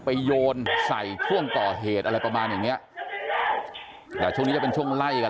ไปโยนใส่ท่วงก่อเหตุอะไรประมาณอย่างนี้จะเป็นช่วงไล่กัน